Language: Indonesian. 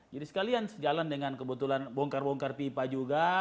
jadi sekalian jalan dengan kebetulan bongkar bongkar pipa juga